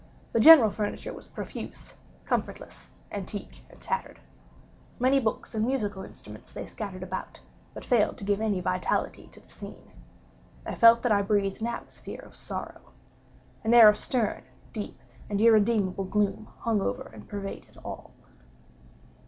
The general furniture was profuse, comfortless, antique, and tattered. Many books and musical instruments lay scattered about, but failed to give any vitality to the scene. I felt that I breathed an atmosphere of sorrow. An air of stern, deep, and irredeemable gloom hung over and pervaded all.